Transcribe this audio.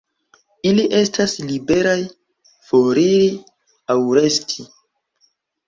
Ili estas liberaj foriri aŭ resti.